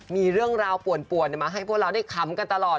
มีเรื่องราวป่วนมาให้พวกเราได้ขำกันตลอด